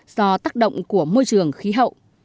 do tác động của môi trường khí hậu